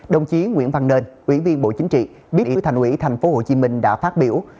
đồng chí nguyễn văn nên ủy viên bộ chính trị bí thư thành ủy tp hcm đã phát biểu